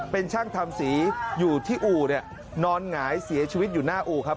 เป็นช่างทำสีอยู่ที่อู่เนี่ยนอนหงายเสียชีวิตอยู่หน้าอู่ครับ